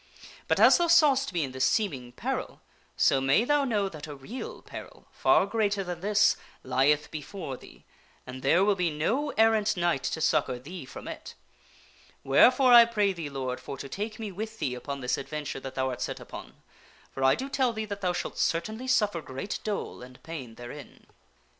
But, as thou sawst me in this seem ing peril, so may thou know that a real peril, far greater than this, lieth before thee, and there will be no errant knight to succor thee from it. Wherefore, I pray thee, Lord, for to take me with thee upon this advent ure that thou art set upon, for I do tell thee that thou shalt certainly suf fer great dole and pain therein."